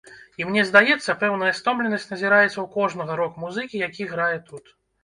І, мне здаецца, пэўная стомленасць назіраецца ў кожнага рок-музыкі, які грае тут.